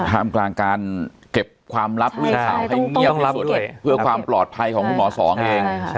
ทำการเก็บความลับให้เงียบสุดเพื่อความปลอดภัยของพี่หมอสองเอง